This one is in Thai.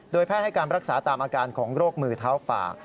แพทย์ให้การรักษาตามอาการของโรคมือเท้าปาก